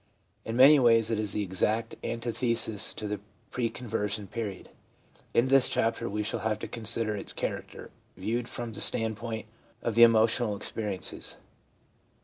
In many ways it is the exact antithesis to the pre conversion period. In this chapter we shall have to consider its character, viewed from the standpoint of the emotional experiences.